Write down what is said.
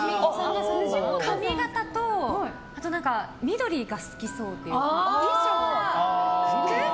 髪形と緑が好きそうっていう。